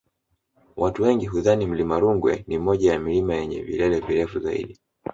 Watu wengi hudhani mlima Rungwe ni moja ya milima yenye vilele virefu zaidi